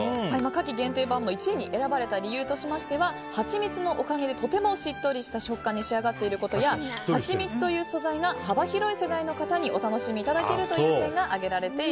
夏季限定バウムの１位に選ばれた理由としましてははちみつのおかげでとてもしっとりした食感に仕上がっていることやはちみつという素材が幅広い世代の方にお楽しみにいただけるという点が確かに。